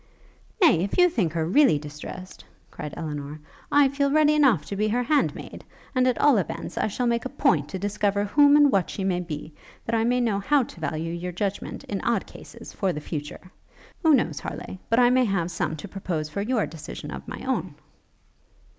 'Nay, if you think her really distressed,' cried Elinor, 'I feel ready enough to be her handmaid; and, at all events, I shall make a point to discover whom and what she may be, that I may know how to value your judgment, in odd cases, for the future. Who knows, Harleigh, but I may have some to propose for your decision of my own?'